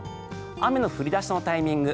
雨の降り出しのタイミング